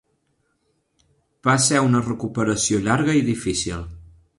Va ser una recuperació llarga i difícil.